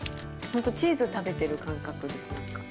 チーズ食べてる感覚です。